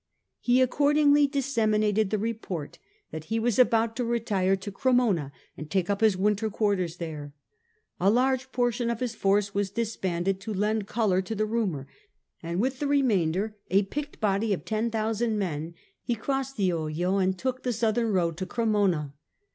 He accordingly disseminated the report that he was about 152 STUPOR MUNDI to retire to Cremona and take up his winter quarters there. A large portion of his force was disbanded to lend colour to the rumour, and with the remainder, a picked body of 10,000 men, he crossed the Oglio and took the southern road to Cremona.